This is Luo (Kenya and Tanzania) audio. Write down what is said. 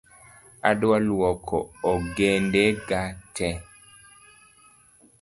Adwa luoko ongede ga tee